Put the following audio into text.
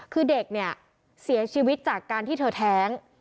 คือเด็กเนี่ยเสียชีวิตจากการที่เธอแท้ง